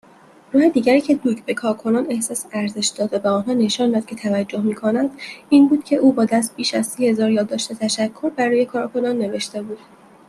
راه دیگری که دوگ به کارکنان احساس ارزش داد و به آنها نشان داد که توجه میکند این بود که او با دست بیش از سی هزار یادداشت تشکر برای کارکنان نوشته بود